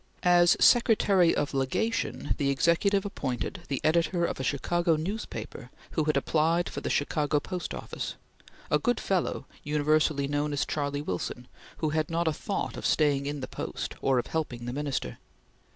As Secretary of Legation the Executive appointed the editor of a Chicago newspaper who had applied for the Chicago Post Office; a good fellow, universally known as Charley Wilson, who had not a thought of staying in the post, or of helping the Minister.